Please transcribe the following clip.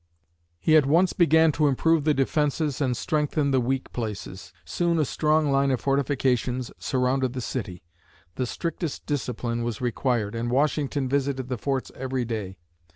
He at once began to improve the defenses and strengthen the weak places. Soon a strong line of fortifications surrounded the city. The strictest discipline was required and Washington visited the forts every day.